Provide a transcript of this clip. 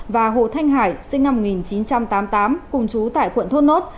và hồ thanh hải sinh năm một nghìn chín trăm tám mươi tám cùng chú tại quận thốt nốt